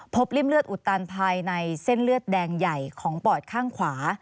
ริ่มเลือดอุดตันภายในเส้นเลือดแดงใหญ่ของปอดข้างขวา